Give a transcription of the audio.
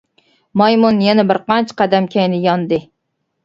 مايمۇن يەنە بىر قانچە قەدەم كەينىگە ياندى.